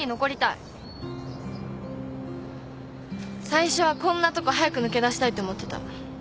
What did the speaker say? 最初はこんなとこ早く抜け出したいって思ってた。